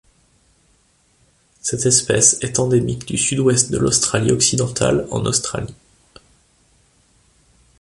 Cette espèce est endémique du Sud-Ouest de l'Australie-Occidentale en Australie.